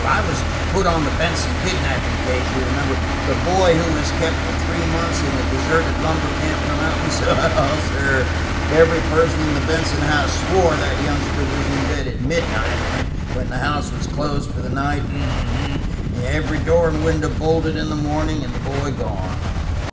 I was put on the Benson kidnapping case, you remember, the boy who was kept for three months in a deserted lumber camp in the mountains? Well, sir, every person in the Benson house swore that youngster was in bed at midnight, when the house was closed for the night. Every door and window bolted in the morning, and the boy gone.